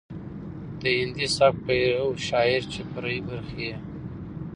د هندي سبک پيرو شاعر چې فرعي برخې يې